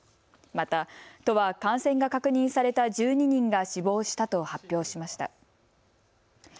また、都は感染が確認された１２人が死亡したと発表しました。